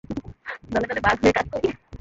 দলে দলে ভাগ হয়ে কাজ করি।